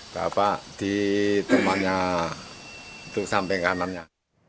bapak di temannya itu samping kanannya